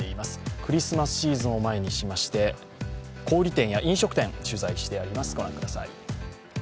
クリスマスシーズンを前にしまして、小売店や飲食店を取材してあります。